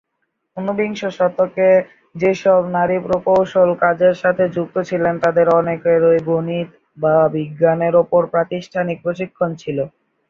ঊনবিংশ শতকে, যে সব নারী প্রকৌশল কাজের সাথে যুক্ত ছিলেন তাদের অনেকেরই গণিত বা বিজ্ঞানের উপর প্রাতিষ্ঠানিক প্রশিক্ষণ ছিল।